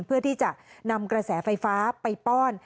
เพื่อที่จะนำกระแสไฟฟ้าไปป้อน